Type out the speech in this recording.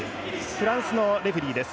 フランスのレフリーです。